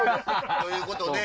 ということで。